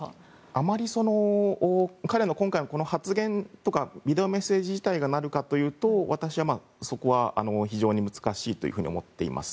あまり彼の今回の発言とかビデオメッセージ自体がなるかというと私は、そこは非常に難しいと思っています。